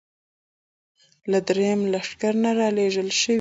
له درېیم لښکر نه را لېږل شوې وې.